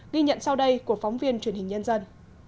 ghi nhận sau đây của phóng viên truyền hình nhân dân